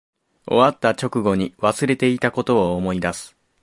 終わった直後に忘れていたことを思い出す